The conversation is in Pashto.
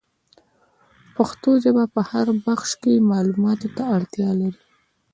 پښتو ژبه په هر بخش کي معلوماتو ته اړتیا لري.